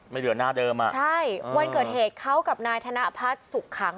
เหลือหน้าเดิมอ่ะใช่วันเกิดเหตุเขากับนายธนพัฒน์สุขขัง